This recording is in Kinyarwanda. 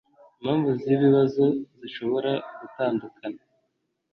Impamvu z’ibibazo zishobora gutandukana